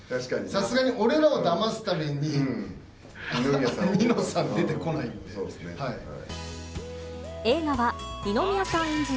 さすがに俺らをだますためにニノさん、出てこないんで。